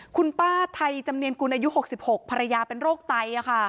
คุณป้าไทยจำเนียนกุลอายุ๖๖ภรรยาเป็นโรคไต